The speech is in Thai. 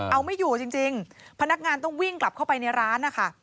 เอาไม่อยู่จริงพนักงานต้องวิ่งกลับเข้าไปในร้านนะคะ